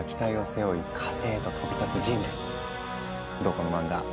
この漫画。